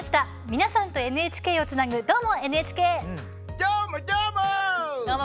皆さんとＮＨＫをつなぐどーも、どーも！